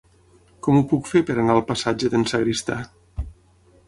Com ho puc fer per anar al passatge d'en Sagristà?